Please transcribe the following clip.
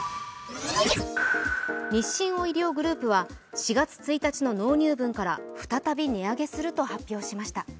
日清オイリオグループは４月１日の納入分から再び値上げすると発表しました。